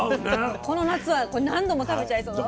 この夏はこれ何度も食べちゃいそう。